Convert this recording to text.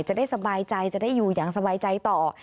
จะได้สบายใจจะได้อยู่อย่างสบายใจต่อ